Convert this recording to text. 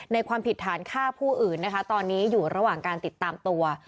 ความผิดฐานฆ่าผู้อื่นนะคะตอนนี้อยู่ระหว่างการติดตามตัว